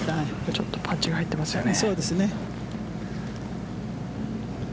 ちょっとパンチが入ってますよね。